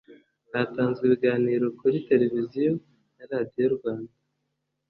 hatanzwe ibiganiro kuri televiziyo na radiyo rwanda